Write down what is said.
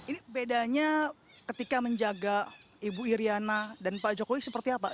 ini bedanya ketika menjaga ibu iryana dan pak jokowi seperti apa